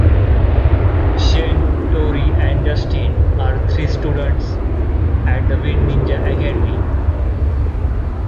Shane, Tori and Dustin are three students at the Wind Ninja Academy.